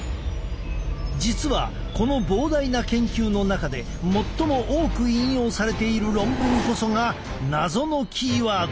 実はこの膨大な研究の中で最も多く引用されている論文こそが謎のキーワード